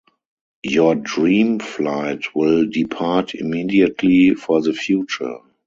Your Dreamflight will depart immediately for the future.